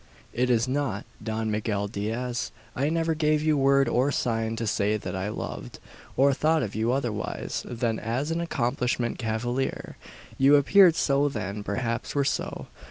"It is not, Don Miguel Diaz. I never gave you word or sign to say that I loved, or thought of you otherwise than as an accomplished cavalier. You appeared so then perhaps were so.